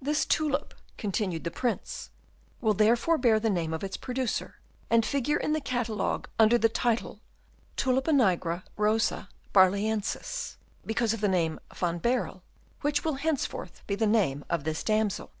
"This tulip," continued the Prince, "will therefore bear the name of its producer, and figure in the catalogue under the title, Tulipa nigra Rosa Barlœnsis, because of the name Van Baerle, which will henceforth be the name of this damsel."